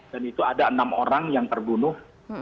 dan itu ada enam orang yang terbunuh